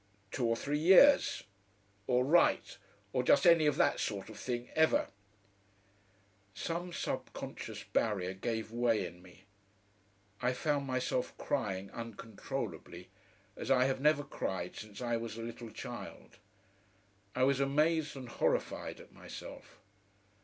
Two or three years. Or write or just any of that sort of thing ever " Some subconscious barrier gave way in me. I found myself crying uncontrollably as I have never cried since I was a little child. I was amazed and horrified at myself.